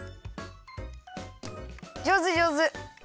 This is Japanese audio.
じょうずじょうず。